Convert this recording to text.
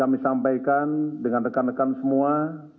kami sampaikan dengan rekan rekan semua